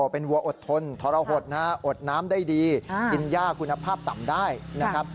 เป็นวัวอดทนทรหดนะฮะอดน้ำได้ดีกินยากคุณภาพต่ำได้นะครับ